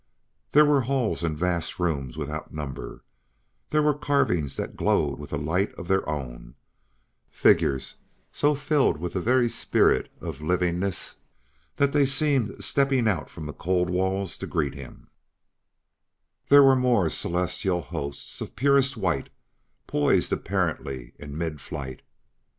There were halls and vast rooms without number; there were carvings that glowed with a light of their own figures so filled with the very spirit of livingness that they seemed stepping out from the cold walls to greet him; there were more celestial hosts of purest white poised apparently in mid flight.